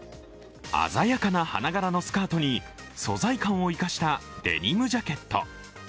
鮮やかな花柄のスカートに素材感を生かしたデニムジャケット。